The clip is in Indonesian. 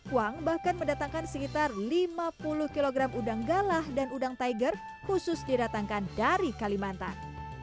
wang bahkan mendatangkan sekitar lima puluh kg udang galah dan udang tiger khusus didatangkan dari kalimantan